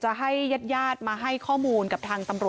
คือเธอยืนยันว่า